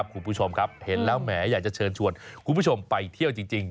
คุณผู้ชมครับเห็นแล้วแหมอยากจะเชิญชวนคุณผู้ชมไปเที่ยวจริง